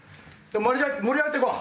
盛り上がってこう！